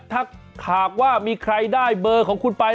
ถ้าหากว่ามีใครได้เบอร์ของคุณไป